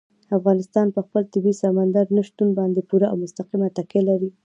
افغانستان په خپل طبیعي سمندر نه شتون باندې پوره او مستقیمه تکیه لري.